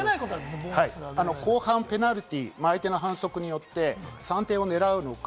後半ペナルティー、相手の反則によって３点を狙うのか。